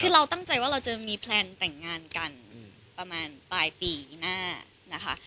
คือเราตั้งใจว่าเราจะมีแพลนแต่งงานกันประมาณปลายปีหน้านะคะ